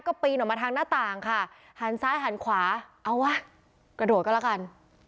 ก็ปีนออกมาทางหน้าต่างค่ะหันซ้ายหันขวาเอาวะกระโดดก็แล้วกัน